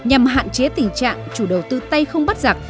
nhằm hạn chế tình trạng chủ đầu tư tay không bắt giặc